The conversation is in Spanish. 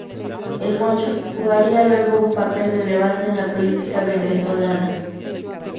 El Mocho, jugaría luego un papel relevante en la política venezolana.